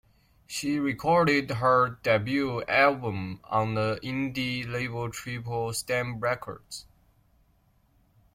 She recorded her debut album on the indie label Triple Stamp Records.